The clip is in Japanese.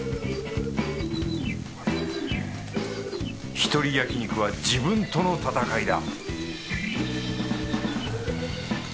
一人焼肉は自分との戦いだ